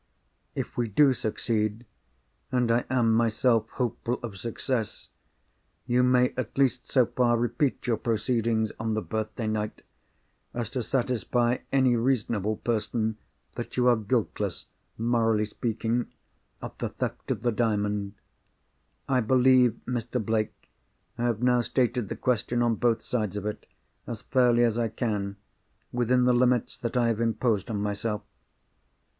If we do succeed—and I am myself hopeful of success—you may at least so far repeat your proceedings on the birthday night, as to satisfy any reasonable person that you are guiltless, morally speaking, of the theft of the Diamond. I believe, Mr. Blake, I have now stated the question, on both sides of it, as fairly as I can, within the limits that I have imposed on myself.